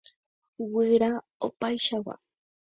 Guyra opaichagua.